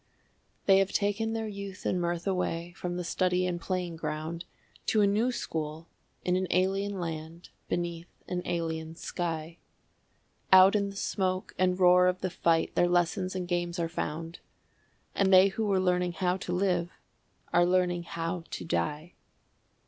They have taken their youth and mirth away from the study and playing ground To a new school in an alien land beneath an alien sky; Out in the smoke and roar of the fight their lessons and games are found, And they who were learning how to live are learning how to die.